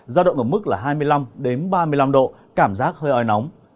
giao động ở mức là hai mươi năm ba mươi năm độ cảm giác hơi oi nóng